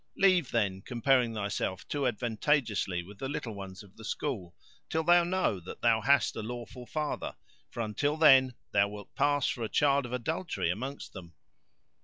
Leave, then, comparing thyself too advantageously with the little ones of the school, till thou know that thou hast a lawful father; for until then thou wilt pass for a child of adultery amongst them.